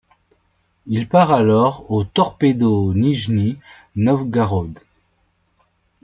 Il part alors au Torpedo Nijni Novgorod.